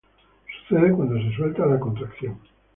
Sucede cuando se suelta la contracción.